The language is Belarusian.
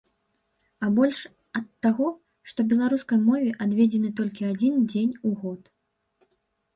А больш ад таго, што беларускай мове адведзены толькі адзін дзень у год.